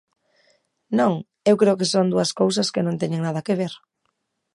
Non, eu creo que son dúas cousas que non teñen nada que ver.